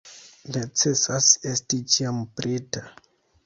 Necesas esti ĉiam preta.